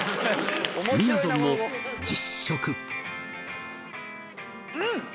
みやぞんも実食うん！